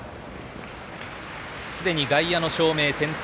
すでに外野の照明は点灯。